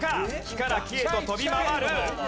木から木へと跳び回る。